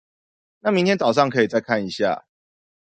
那明天早上可以再看一下